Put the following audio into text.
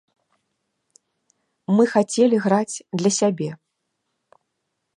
Мы хацелі граць для сябе.